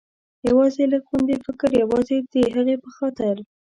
یوازې لږ غوندې فکر، یوازې د هغې په خاطر.